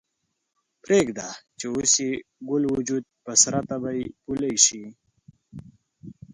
پریږده چې اوس یې ګل وجود په سره تبۍ پولۍ شي